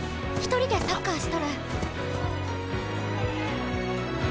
１人でサッカーしとる。